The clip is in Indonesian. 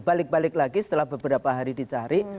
balik balik lagi setelah beberapa hari dicari